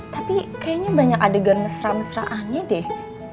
tapi kayaknya banyak adegan mesra mesraannya deh